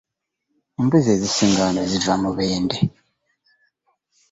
Embuzi ezisinga wano ziva Mubende.